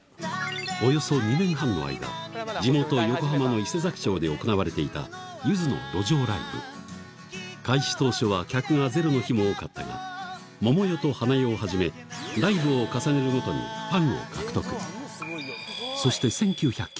およそ２年半の間地元横浜の伊勢佐木町で行われていたゆずの路上ライブ開始当初は客がゼロの日も多かったがももよとはなよをはじめライブを重ねるごとにそして歌え！